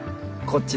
こっち！